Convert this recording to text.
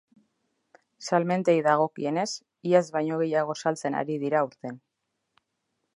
Salmentei dagokienez, iaz baino gehiago saltzen ari dira aurten.